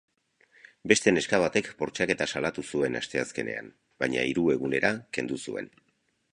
Beste neska batek bortxaketa salatu zuen asteazkenean, baina hiru egunera kendu zuen.